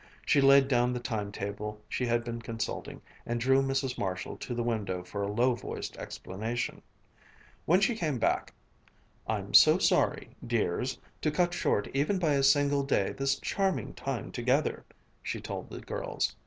She laid down the time table she had been consulting and drew Mrs. Marshall to the window for a low voiced explanation. When she came back, "I'm so sorry, dears, to cut short even by a single day this charming time together," she told the girls.